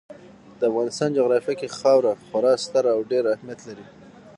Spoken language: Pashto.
د افغانستان جغرافیه کې خاوره خورا ستر او ډېر اهمیت لري.